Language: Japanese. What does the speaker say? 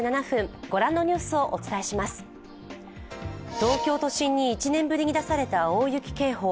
東京都心に１年ぶりに出された大雪警報。